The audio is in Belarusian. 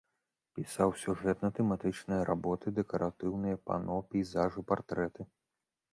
Пісаў сюжэтна-тэматычныя работы, дэкаратыўныя пано, пейзажы, партрэты.